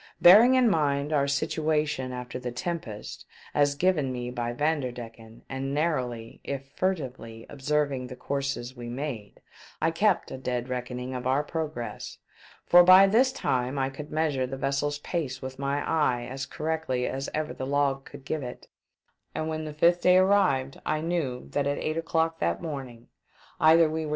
Bearing in mind our situation after the tempest, as given me by Vanderdecktn, and narrowly, if furtively, observing the courses wc made, I kept a dead reckoning of our progress — for by this time I could measure the vessel's pace with my eye as correctly as ever the log could give it — and when the fifth day arrived I knew that at eight o'clock that morning either we were LAND.